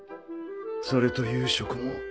それと夕食も。